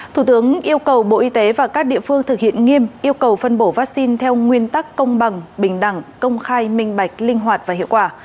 thủ tướng yêu cầu bộ y tế và các địa phương thực hiện nghiêm yêu cầu phân bổ vaccine theo nguyên tắc công bằng bình đẳng công khai minh bạch linh hoạt và hiệu quả